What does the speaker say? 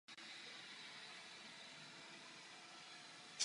Jsme na cestě a svůj cíl máme stále na zřeteli.